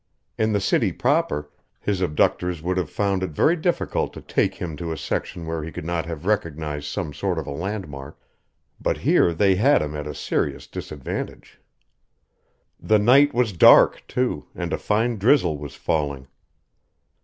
In the city proper, his abductors would have found it very difficult to take him to a section where he could not have recognized some sort of a landmark, but here they had him at a serious disadvantage. The night was dark, too, and a fine drizzle was falling.